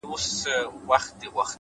نیک چلند زړونه خپلوي’